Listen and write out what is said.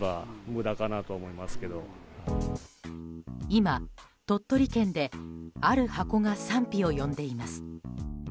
今、鳥取県である箱が賛否を呼んでいます。